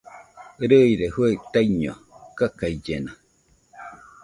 Rɨire juaɨ taiño kakaillena